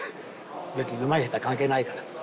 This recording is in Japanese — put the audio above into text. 別にうまい下手関係ないから。